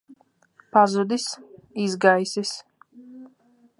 Pazudis. Izgaisis.